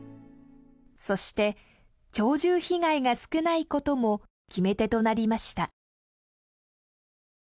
そして鳥獣被害が少ないことも決め手となりました。